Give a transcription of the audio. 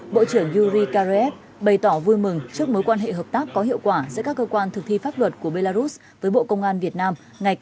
bộ trưởng yuri karev bày tỏ vui mừng trước mối quan hệ hợp tác có hiệu quả giữa các cơ quan thực thi pháp luật của belarus với bộ công an việt nam ngày càng